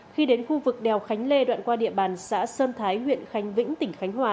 khi đến khu vực đèo khánh lê đoạn qua địa bàn xã sơn thái huyện khánh vĩnh tỉnh khánh hòa